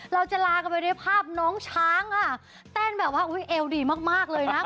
เราจะลาไปด้วยภาพน้องช้างเต้นเอวดีมาก